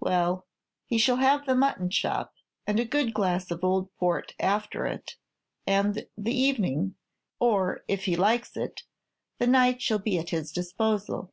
Well, he shall have the mutton chop, and a good glass of old port after it; and the evening, or, if he likes it, the night shall be at his disposal."